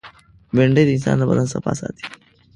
بېنډۍ د انسان د بدن صفا ساتي